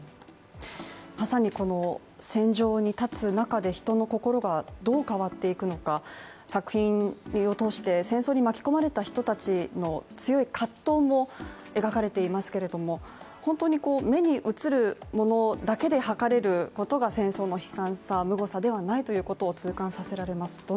まさに戦場に立つ中で人の心がどう変わっていくのか、作品を通して戦争に巻き込まれた人たちの強い葛藤も描かれていますけれども本当に目に映るものだけではかれることが戦争の悲惨さ、むごさではないということを痛感させられます。